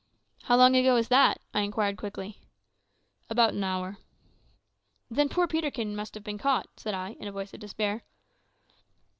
"How long ago is that?" I inquired quickly. "About an hour." "Then poor Peterkin must have been caught," said I, in a voice of despair.